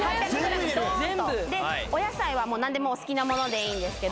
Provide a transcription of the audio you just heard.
どーんとでお野菜はもう何でもお好きなものでいいんですけど